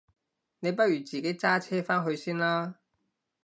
你不如自己揸車返去先啦？